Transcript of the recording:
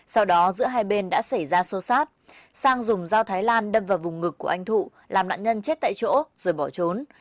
sau đó giữa hai bên đã xảy ra xô xát sang dùng dao thái lan đâm vào vùng ngực của anh thụ làm nạn nhân chết tại chỗ rồi bỏ trốn